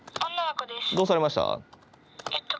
どうされました？